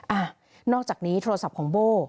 อ่ะนอกจากนี้โทรศัพท์ของโบ้